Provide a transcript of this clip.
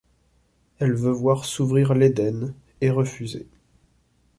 Elle veut voir s'ouvrir l'éden, et refuser.